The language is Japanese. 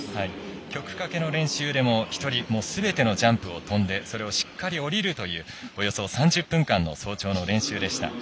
曲かけの練習でも１人すべてのジャンプを跳んでそれをしっかり降りるというおよそ３０分間の早朝の練習でした。